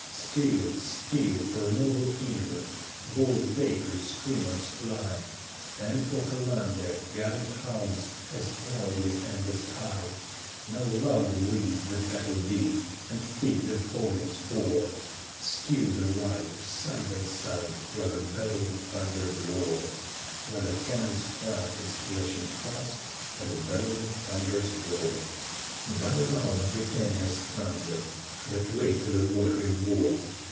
Still, still, for noble England Bold D'Acres' streamers fly; And for Columbia, gallant Hull's As proudly and as high; Now louder rings the battle din, And thick the volumes pour; Still they ride, side by side, While the bell'wing thunders roar, While the cannon's fire is flashing fast, And the bell'wing thunders roar. Why lulls Britannia's thunder, That waked the wat'ry war?